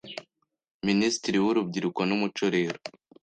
Minisitiri w’Urubyiruko n’umuco rero